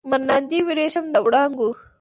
مراندې وریښم د وړانګو